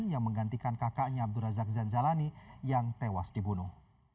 yang menggantikan kakaknya abdur razak zanzalani yang tewas dibunuh